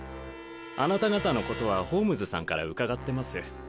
あなた方のことはホームズさんから伺ってます。